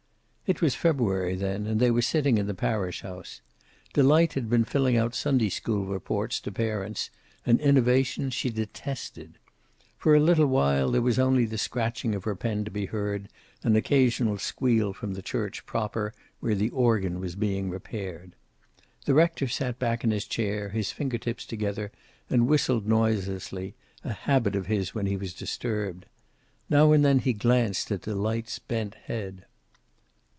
It was February then, and they were sitting in the parish house. Delight had been filling out Sunday school reports to parents, an innovation she detested. For a little while there was only the scratching of her pen to be heard and an occasional squeal from the church proper, where the organ was being repaired. The rector sat back in his chair, his fingertips together, and whistled noiselessly, a habit of his when he was disturbed. Now and then he glanced at Delight's bent head.